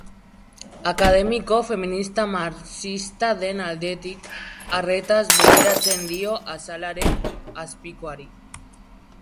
Akademiko feminista marxista den aldetik, arretaz begiratzen dio azalaren azpikoari.